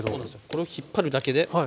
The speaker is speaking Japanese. これを引っ張るだけで。